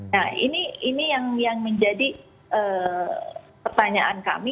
nah ini yang menjadi pertanyaan kami